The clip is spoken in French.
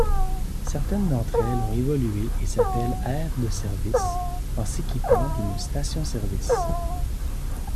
Certaines d'entre elles ont évolué et s'appellent aires de service, en s'équipant d'une station-service.